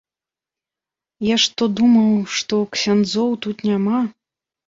Я ж то думаў, што ксяндзоў тут няма.